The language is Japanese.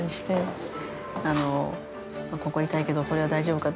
「ここが痛いけどこれは大丈夫か」